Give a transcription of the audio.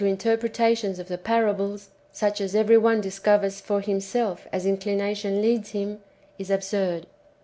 interpretations of the parables, such as every one discovers for himself as incHnation leads him, [is absurd.